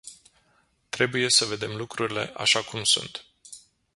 Trebuie să vedem lucrurile așa cum sunt.